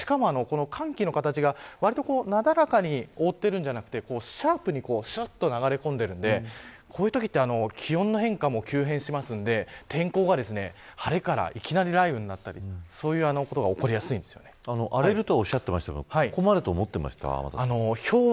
しかも寒気の形が割となだらかに覆っているのではなくてシャープに流れ込んでいるのでこういうときは気温の変化も急変しますので天候が、晴れからいきなり雷雨になったり、そういうことが荒れるとおっしゃっていましたがここまでと思っていましたか。